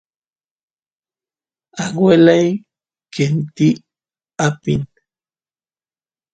aguelay qenti apin